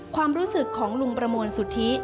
ความรู้สึกของลุงประมวลสุธิ